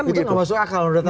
itu tidak masuk akal menurut anda